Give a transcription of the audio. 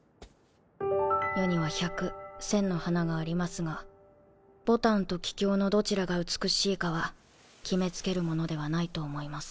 世には百千の花がありますがボタンとキキョウのどちらが美しいかは決め付けるものではないと思います。